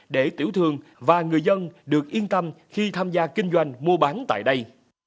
để tiểu thương và người dân được yên tâm khi tham gia kinh doanh mua bán tại đây